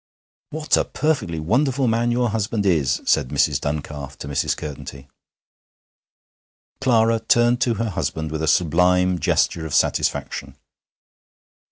'What a perfectly wonderful man your husband is!' said Mrs. Duncalf to Mrs. Curtenty. Clara turned to her husband with a sublime gesture of satisfaction.